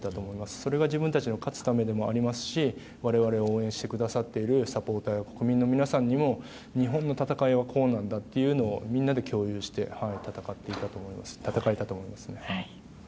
それが自分たちの勝つためでもありますし我々を応援してくださっているサポーターや国民の皆さんにも日本の戦いはこうなんだというのをみんなで共有して戦えたと思いますね。